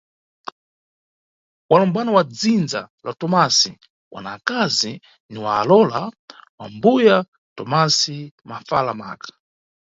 Walumbwana wa dzindza la Tomasi wana akazi, ni walowola wa mbuya Tomasi mafala maka.